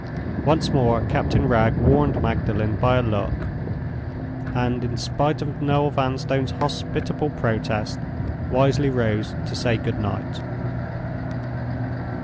Once more Captain Wragge warned Magdalen by a look, and, in spite of Noel Vanstone's hospitable protest, wisely rose to say good night.